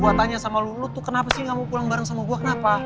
gue tanya sama lo lo tuh kenapa sih gak mau pulang bareng sama gue kenapa